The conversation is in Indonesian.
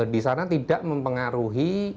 disana tidak mempengaruhi